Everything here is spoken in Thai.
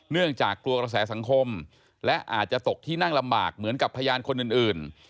เนื่องจากกลัวกระแสสังคมและอาจจะตกที่นั่งลำบากเหมือนกับพยานคนอื่น